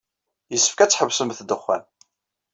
Yessefk ad tḥebsemt ddexxan.